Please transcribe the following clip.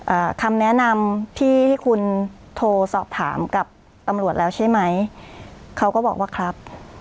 คำแนะนำที่ที่คุณโทรสอบถามกับตำรวจแล้วใช่ไหมเขาก็บอกว่าครับ